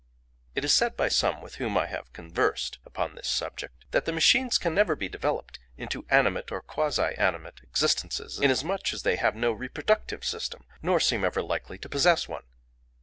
"It is said by some with whom I have conversed upon this subject, that the machines can never be developed into animate or quasi animate existences, inasmuch as they have no reproductive system, nor seem ever likely to possess one.